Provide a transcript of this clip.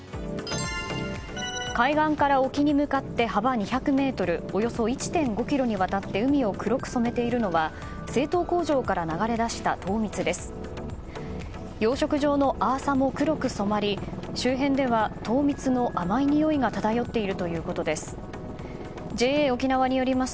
海岸から沖に向かって幅２００ｍおよそ１．５ｋｍにわたって海を黒く染めているのは製糖工場から流れ出した糖蜜です。